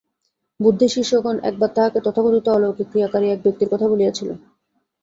বুদ্ধের শিষ্যগণ একবার তাঁহাকে তথাকথিত অলৌকিক ক্রিয়াকারী এক ব্যক্তির কথা বলিয়াছিল।